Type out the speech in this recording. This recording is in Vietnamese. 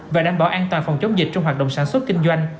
về đảm bảo an toàn phòng chống dịch trong hoạt động sản xuất kinh doanh